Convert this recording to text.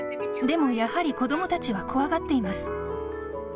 でも、やはり子どもたちは怖がっています。